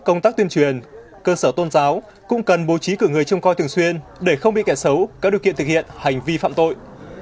công tác tuyên truyền cơ sở tôn giáo cũng cần bố trí cử người trông coi thường xuyên để không bị kẻ xấu có điều kiện thực hiện hành vi phạm tội